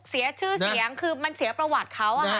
เสียชื่อเสียงคือมันเสียประวัติเขา